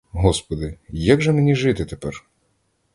Господи, як же мені жити тепер?